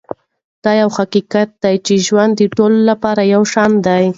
دا یو حقیقت دی چې ژوند د ټولو لپاره یو شان نه دی.